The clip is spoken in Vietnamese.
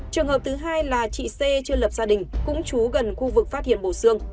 trường hợp thứ hai là chị c chưa lập gia đình cũng chú gần khu vực phát hiện bổ xương